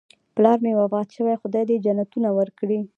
پلار مې وفات شوی، خدای دې جنتونه ورکړي